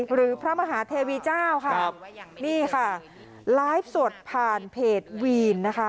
หรือพระมหาเทวีเจ้าค่ะนี่ค่ะไลฟ์สดผ่านเพจวีนนะคะ